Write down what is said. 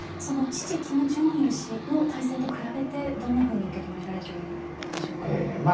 父、キム・ジョンイル氏の体制と比べてどんなふうに受け止められているでしょうか。